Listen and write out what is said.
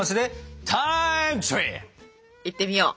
いってみよう！